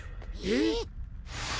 えっ！？